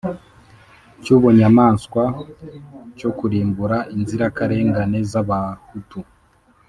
cy'ubunyamaswa cyo kurimbura inzirakarengane z'Abahutu